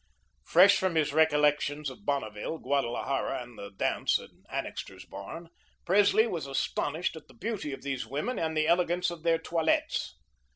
Fresh from his recollections of Bonneville, Guadalajara, and the dance in Annixter's barn, Presley was astonished at the beauty of these women and the elegance of their toilettes.